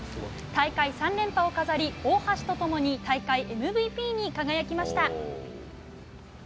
大会３連覇を飾り大橋と共に大会ＭＶＰに輝きました。